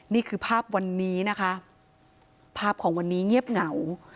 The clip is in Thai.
นี่คือภาพวันนี้นะคะภาพของวันนี้เงียบเหงา